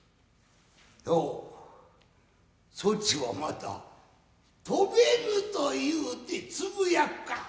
おうそちはまた飛べぬというてつぶやくか。